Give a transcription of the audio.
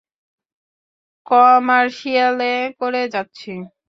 কমার্শিয়ালে করে যাচ্ছি!